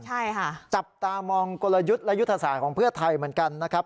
ใช่ค่ะจับตามองกลยุทธ์และยุทธศาสตร์ของเพื่อไทยเหมือนกันนะครับ